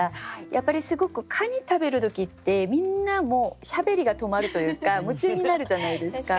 やっぱりすごくカニ食べる時ってみんなもうしゃべりが止まるというか夢中になるじゃないですか。